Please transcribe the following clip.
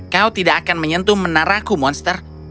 kau tidak akan menyentuh menara aku monster